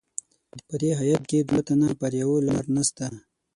په دې هیات کې دوه تنه پر یوه لار نسته.